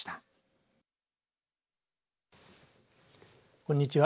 こんにちは。